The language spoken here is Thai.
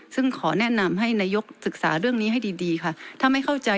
ซึ่งขอแนะนำให้นายกศึกษาเรื่องนี้ให้ดีดีค่ะถ้าไม่เข้าใจ